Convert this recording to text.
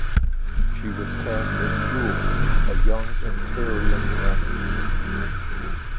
She was cast as Jool, a young Interion woman.